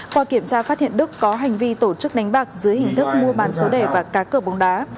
qua kiểm tra phát hiện đức có hành vi tổ chức đánh bạc dưới hình thức mua bán số đề và cá cờ bóng đá